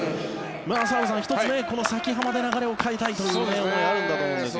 澤部さん、１つこの崎濱で流れを変えたいというのがあるんだと思うんですが。